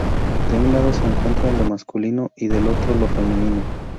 De un lado se encuentra lo masculino y del otro, lo femenino.